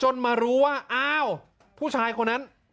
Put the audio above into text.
มารู้ว่าอ้าวผู้ชายคนนั้น